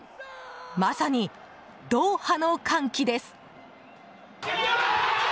まさにドーハの歓喜です。